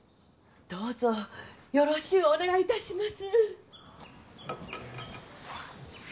どうぞよろしゅうお願いいたします